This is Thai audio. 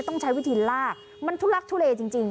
ต้องใช้วิธีลากมันทุลักทุเลจริง